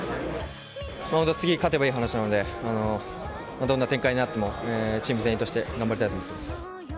また次、勝てばいい話なので、どんな展開になっても、チーム全員として頑張りたいと思ってます。